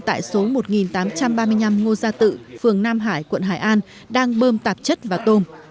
tại số một nghìn tám trăm ba mươi năm ngô gia tự phường nam hải quận hải an đang bơm tạp chất và tôm